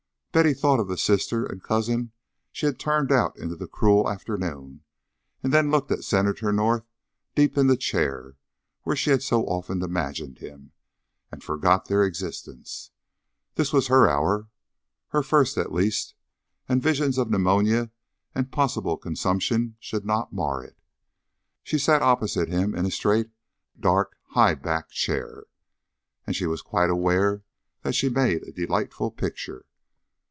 Betty thought of the sister and cousin she had turned out into the cruel afternoon, and then looked at Senator North deep in the chair where she had so often imagined him, and forgot their existence. This was her hour her first, at least and visions of pneumonia and possible consumption should not mar it. She sat opposite him in a straight dark high backed chair, and she was quite aware that she made a delightful picture.